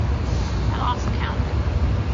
I lost count.